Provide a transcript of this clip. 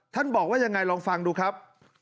บอกว่ายังไงลองฟังดูครับ